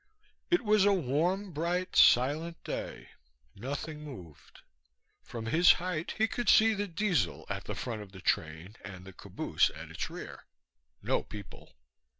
It was a warm, bright, silent day. Nothing moved. From his height he could see the Diesel at the front of the train and the caboose at its rear. No people.